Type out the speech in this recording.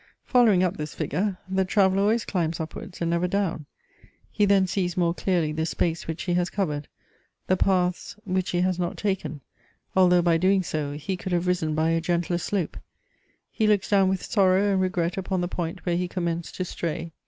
Following up this figure, the traveller always climbs upwards and never down; he then sees more clearly the space which he has covered, the paths which he has not taken, although by doing so he could have risen by a gentler slope: he looks down with sorrow and regret upon the point where he commenced to stray.